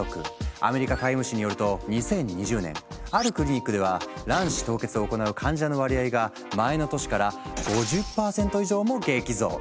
アメリカ「ＴＩＭＥ」誌によると２０２０年あるクリニックでは卵子凍結を行う患者の割合が前の年から５０％以上も激増。